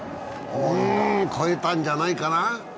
越えたんじゃないかな。